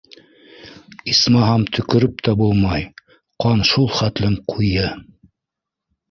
Исмаһам, төкөрөп тә булмай, ҡан шул хәтлем ҡуйы.